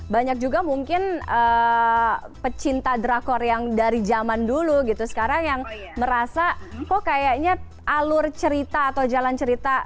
banyak juga mungkin pecinta drakor yang dari zaman dulu gitu sekarang yang merasa kok kayaknya alur cerita atau jalan cerita